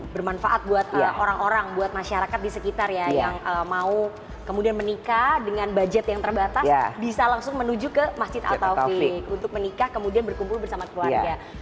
bermanfaat buat orang orang buat masyarakat di sekitar ya yang mau kemudian menikah dengan budget yang terbatas bisa langsung menuju ke masjid at taufik untuk menikah kemudian berkumpul bersama keluarga